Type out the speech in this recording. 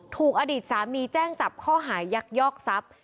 ถูกอดีตสามีแจ้งจับข้อหายักยอกทรัพย์